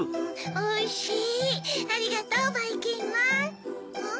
・おいしい！